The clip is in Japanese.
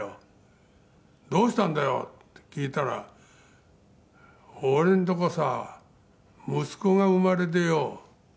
「“どうしたんだよ？”って聞いたら“俺のとこさ息子が生まれてよ。